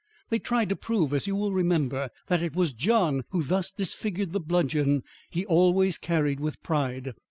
"They tried to prove, as you will remember, that it was John who thus disfigured the bludgeon he always carried with pride.